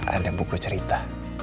ada buku cerita